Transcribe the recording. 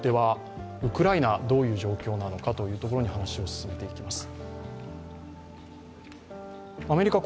ウクライナ、どういう状況なのかというところに話を進めていきます。